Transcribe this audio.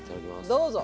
どうぞ。